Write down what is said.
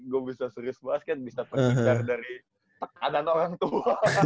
gue bisa serius bahas kan bisa penikar dari anak orang tua